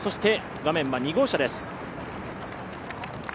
画面は２号車です。